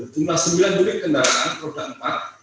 jumlah sembilan unit kendaraan roda empat